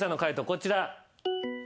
こちら。